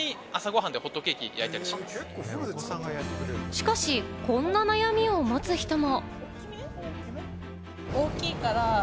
しかし、こんな悩みを持つ人も。